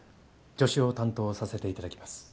助手を担当させて頂きます。